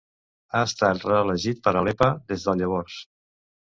Ha estat reelegit per a Lepa des de llavors.